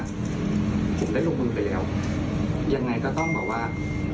ผมได้ลงมือไปแล้วยังไงก็ต้องแบบว่า